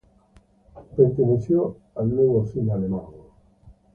Perteneció al Nuevo cine alemán.